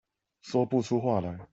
說不出話來